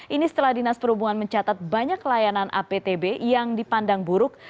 ini setelah dinas perhubungan mencatat banyak layanan aptb yang dipandang buruk